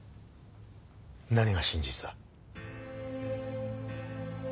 何が真実だ？